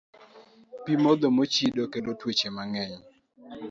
Pi modho mochido kelo tuoche mang'eny.